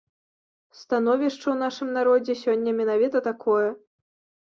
Становішча ў нашым народзе сёння менавіта такое.